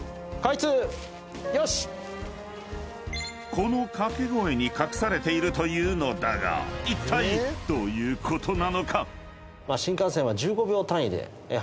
［この掛け声に隠されているというのだがいったいどういうことなのか？］